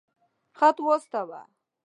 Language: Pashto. خط واستاوه.